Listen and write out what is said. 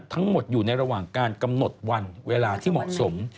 ทั้งหมดอยู่ในระหว่างการกำหนดวันเวลาที่เหมาะสม